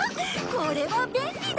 これは便利だ。